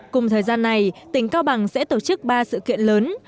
cùng thời gian này tỉnh cao bằng sẽ tổ chức ba sự kiện lớn